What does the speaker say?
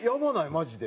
マジで。